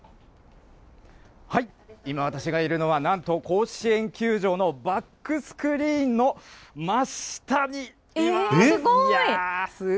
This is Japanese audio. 今私がいるのは、なんと、甲子園球場のバックスクリーンの真下にいます。